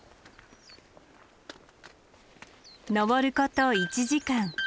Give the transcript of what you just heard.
登ること１時間。